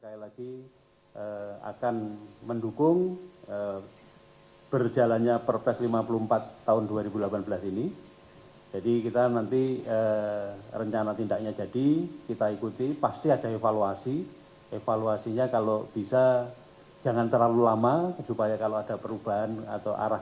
dan perpres nomor lima puluh lima tahun dua ribu dua belas yang kini mengoptimalkan kolaborasi kpk dan pemerintah